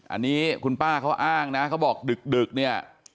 อันนี้คุณป้าเขาอ้างนะเขาบอกดึกเนี่ย